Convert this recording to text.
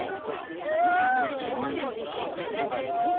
はあいそがしいいそがしい！